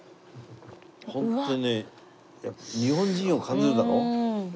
ホントにね日本人を感じるだろ？